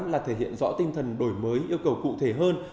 là thể hiện rõ tinh thần đổi mới yêu cầu cụ thể hơn